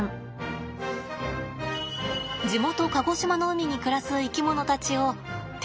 地元鹿児島の海に暮らす生き物たちをって